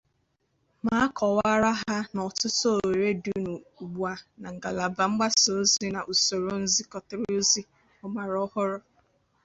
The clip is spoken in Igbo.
ma kọwaara ha na ọtụtụ ohere dị ugbua na ngalaba mgbasaozi na n'usoro nzikọrịtaozi ọgbaraọhụrụ